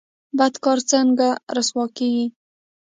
بد کار څنګه رسوا کیږي؟